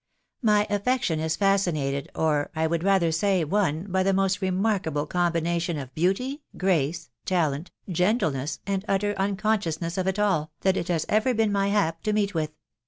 My affection is fascinated, or, I would rather say, won, by the most remarkable combination of beauty, grace, talent, gentle ness, and utter unconsciousness of it all, that it has ever been my hap to meet with.